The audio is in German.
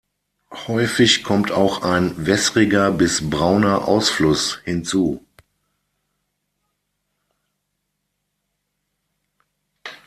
Häufig kommt auch ein wässriger bis brauner Ausfluss hinzu.